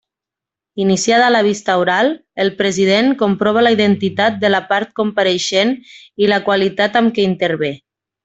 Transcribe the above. Iniciada la vista oral, el president comprova la identitat de la part compareixent i la qualitat amb què intervé.